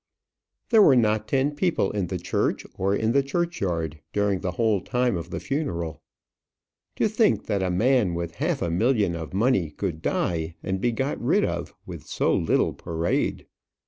There were not ten people in the church or in the churchyard during the whole time of the funeral. To think that a man with half a million of money could die and be got rid of with so little parade!